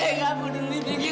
kamu harus ketemu sama mama